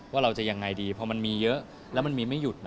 ว่าเราจะยังไงดีพอมันมีเยอะแล้วมันมีไม่หยุด